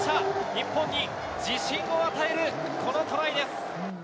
日本に自信を与える、このトライです！